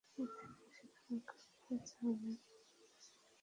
তবে ইদানীং সেখানে ঘুরতে যাওয়া অনেক দর্শনার্থীকে বিব্রতকর পরিস্থিতিতে পড়তে হয়।